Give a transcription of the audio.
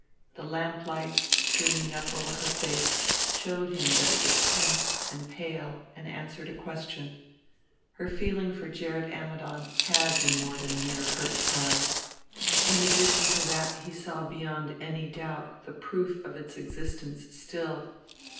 The lamplight, streaming up over her face, showed him that it was tense and pale and answered a question. Her feeling for Gerrit Ammidon had been more than a mere hurt pride. In addition to that he saw beyond any doubt the proof of its existence still.